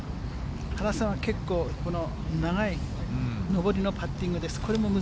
原さんは結構、この長い上りのパッティングです。